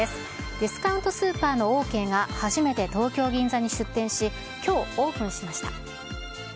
ディスカウントスーパーのオーケーが初めて東京・銀座に出店し、きょう、オープンしました。